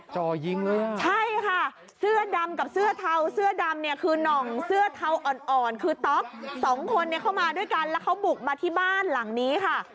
จ่อยิงเลยอ่ะใช่ค่ะเสื้อดำกับเสื้อเทาเสื้อดำเนี่ยคือน่องเสื้อเทาอ่อนอ่อนคือต๊อกสองคนเนี่ยเข้ามาด้วยกันแล้วเขาบุกมาที่บ้านหลังนี้ค่ะ